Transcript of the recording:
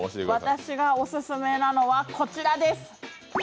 私がオススメなのは、こちらです。